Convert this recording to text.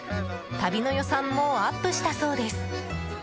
旅の予算もアップしたそうです。